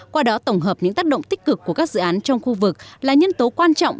qua đó tổng hợp những tác động tích cực của các dự án trong khu vực là nhân tố quan trọng